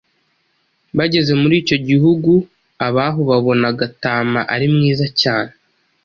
Bageze muri icyo gihugu, abaho babona Gatama ari mwiza cyane,